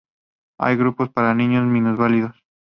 Hay grupos para niños minusválidos.